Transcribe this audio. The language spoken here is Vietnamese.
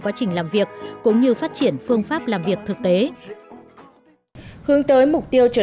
quá trình làm việc cũng như phát triển phương pháp làm việc thực tế hướng tới mục tiêu trở